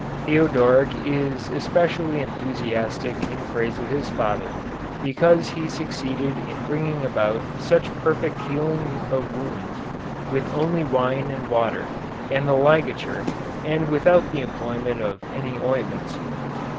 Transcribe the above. Theodoric is especially enthusiastic in praise of his father, because he succeeded in bringing about such perfect healing of wounds with only wine and water and the ligature and without the employment of any ointments.